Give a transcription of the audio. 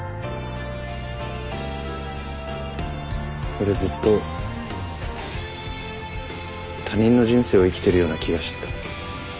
俺ずっと他人の人生を生きてるような気がしてた。